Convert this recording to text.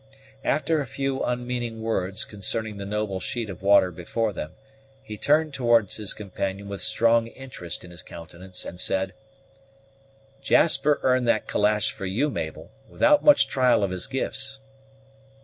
After a few unmeaning words concerning the noble sheet of water before them, he turned towards his companion with strong interest in his countenance, and said, "Jasper earned that calash for you, Mabel, without much trial of his gifts."